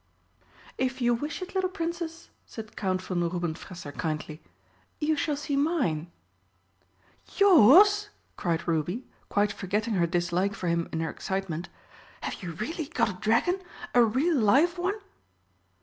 "If you wish it, little Princess," said Count von Rubenfresser kindly, "you shall see mine." "Yours!" cried Ruby, quite forgetting her dislike for him in her excitement. "Have you really got a dragon a real live one?"